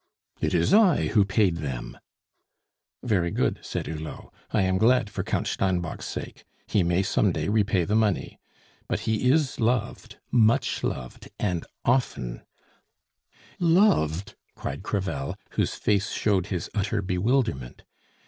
"It is I who paid them!" "Very good," said Hulot; "I am glad for Count Steinbock's sake; he may some day repay the money. But he is loved, much loved, and often " "Loved!" cried Crevel, whose face showed his utter bewilderment.